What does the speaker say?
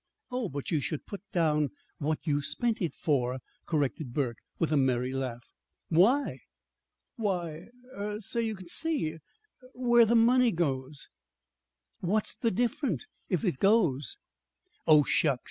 "Oh, but you should put down what you spent it for," corrected Burke, with a merry laugh. "Why?" "Why, er so you can see er what the money goes for." "What's the difference if it goes?" "Oh, shucks!